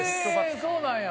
へえそうなんや。